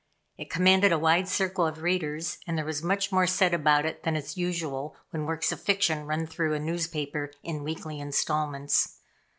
It commanded a wide circle of readers, and there was much more said about it than is usual when works of fiction run through a newspaper in weekly installments.